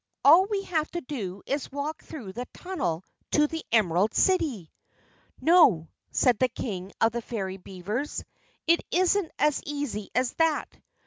All we have to do is walk through the tunnel to the Emerald City!" "No," said the King of the Fairy Beavers. "It isn't as easy as that.